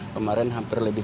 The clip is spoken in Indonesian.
kemarin hampir lebih